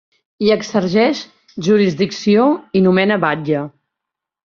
Hi exerceix jurisdicció i nomena batlle.